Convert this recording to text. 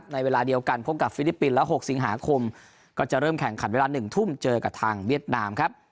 เวลาเดียวกันพบกับฟิลิปปินส์และ๖สิงหาคมก็จะเริ่มแข่งขันเวลา๑ทุ่มเจอกับทางเวียดนามครับ